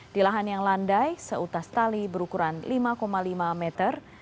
di lahan yang landai seutas tali berukuran lima lima meter